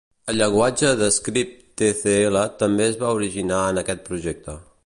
El llenguatge de script Tcl també es va originar en aquest projecte.